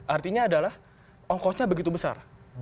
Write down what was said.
artinya adalah ongkosnya begitu besar